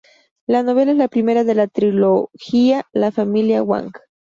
La novela es la primera de la trilogía "La familia Wang".